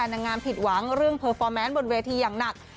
อีกอย่างหนึ่งคือมันก็เป็นแฟนของตัวด้วยนะคะ